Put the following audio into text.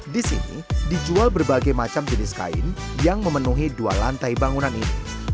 di sini dijual berbagai macam jenis kain yang memenuhi dua lantai bangunan ini